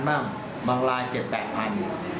๖๐๐๐บ้างบางลาย๗๘บาทอยู่